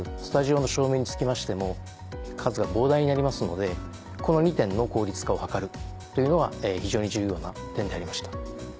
スタジオの照明につきましても数が膨大になりますのでこの２点の効率化を図るというのが非常に重要な点でありました。